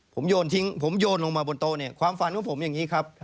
ผมโยนทิ้งผมโยนลงมาบนโต๊ะเนี่ยความฝันของผมอย่างนี้ครับ